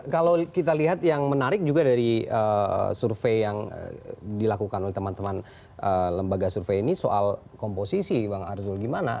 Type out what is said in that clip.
kalau kita lihat yang menarik juga dari survei yang dilakukan oleh teman teman lembaga survei ini soal komposisi bang arzul gimana